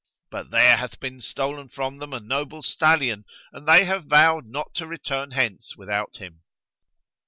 But there hath been stolen from them a noble stallion, and they have vowed not to return hence without him."